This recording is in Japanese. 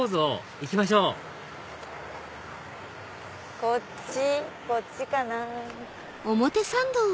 行きましょうこっちこっちかな。